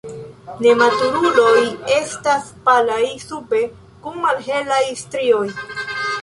Nematuruloj estas palaj sube kun malhelaj strioj.